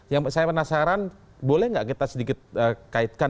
yang saya penasaran boleh nggak kita sedikit kaitkan